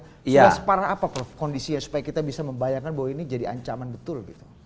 sudah separah apa kondisinya supaya kita bisa membayangkan bahwa ini jadi ancaman betul